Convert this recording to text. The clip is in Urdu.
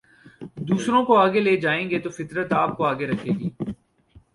دوسروں کو آگے لے جائیں گے تو فطرت آپ کو آگے رکھے گی